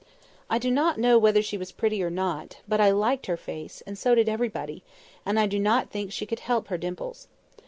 I do not know whether she was pretty or not; but I liked her face, and so did everybody, and I do not think she could help her dimples.